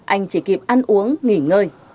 anh chỉ kịp ăn uống nghỉ ngơi